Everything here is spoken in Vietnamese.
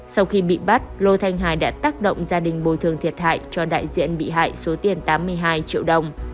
sau khi bị bắt lô thanh hà đã tác động gia đình bồi thường thiệt hại cho đại diện bị hại số tiền tám mươi hai triệu đồng